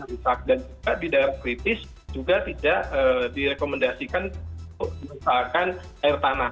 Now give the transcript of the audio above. rusak dan juga di daerah kritis juga tidak direkomendasikan untuk perusahaan air tanah